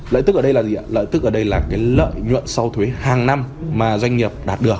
lợi tức ở đây là gì ạ lợi tức ở đây là cái lợi nhuận sau thuế hàng năm mà doanh nghiệp đạt được